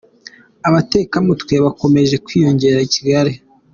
Abatekamutwe bakomeje kwiyongera ikigali